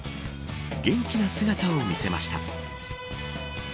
元気な姿を見せました。